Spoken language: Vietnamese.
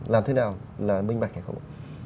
làm thế nào là mình bạch hay không